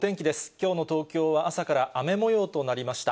きょうの東京は朝から雨もようとなりました。